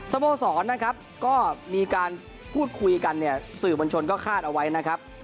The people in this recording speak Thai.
โมสรนะครับก็มีการพูดคุยกันเนี่ยสื่อมวลชนก็คาดเอาไว้นะครับ